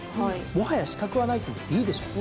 もはや死角はないといっていいでしょう。